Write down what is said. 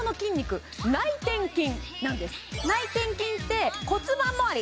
内転筋って骨盤周り